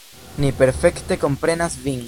Ni perfekte komprenas vin.